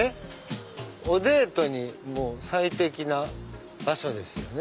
おデートにも最適な場所ですよね